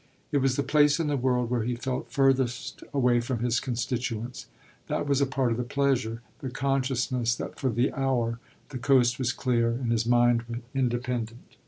It was the place in the world where he felt furthest away from his constituents. That was a part of the pleasure the consciousness that for the hour the coast was clear and his mind independent.